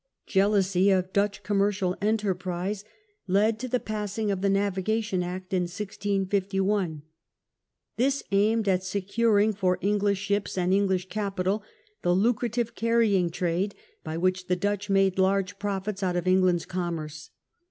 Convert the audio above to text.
Jealousy of Dutch Dutch. 165a. commercial enterprise led to the passing of the "Navigation Act" in 165 1. This aimed at securing for English ships and English capital the lucrative carrying trade by which the Dutch made large profits out of Eng land's commerce.